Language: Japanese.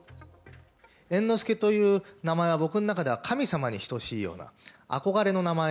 猿之助という名前は、僕の中では神様に等しいような、憧れの名前。